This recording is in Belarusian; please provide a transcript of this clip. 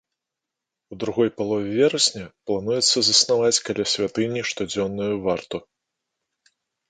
У другой палове верасня плануецца заснаваць каля святыні штодзённую варту.